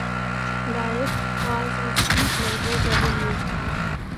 La est croise ensuite Melrose Avenue.